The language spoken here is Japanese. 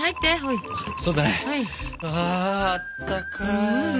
ああったかい。